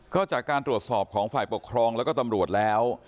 ก็จากการตรวจสอบของฝ่ายปกครองแล้วก็ตำรวจแล้ว